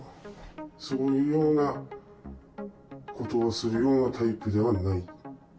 そういうようなことをするようなタイプではない。